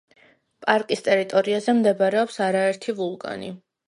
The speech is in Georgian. პარკის ტერიტორიაზე მდებარეობს არაერთი ვულკანი.